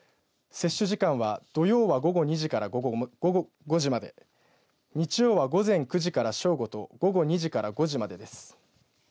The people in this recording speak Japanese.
接種時間は土曜は午後２時から午後５時まで日曜は、午前９時から正午と午後２時から５時までです。